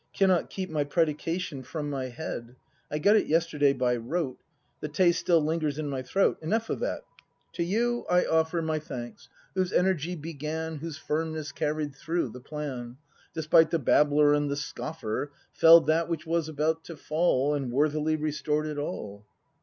— cannot keep My predication from my head; I got it yesterday by rote. The taste still lingers in my throat. Enough of that. — To you I offer 234 BRAND [act v My thanks, whose energy began, Whose firmness carried through, the plan, Despite the babbler and the scoffer; Fell'd that which was about to fall. And worthily restored it all!